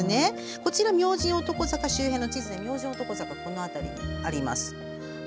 こちらは明神男坂周辺の地図で明神男坂はこの辺りにあります。